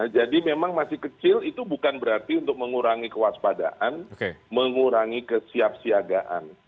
jadi memang masih kecil itu bukan berarti untuk mengurangi kewaspadaan mengurangi kesiapsiagaan